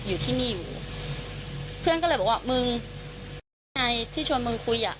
อยู่ที่นี่อยู่เพื่อนก็เลยบอกว่ามึงยังไงที่ชวนมึงคุยอ่ะ